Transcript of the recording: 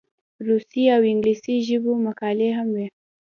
روسي او انګلیسي ژبو مقالې هم وې.